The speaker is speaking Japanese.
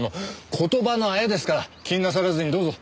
言葉の綾ですから気になさらずにどうぞ。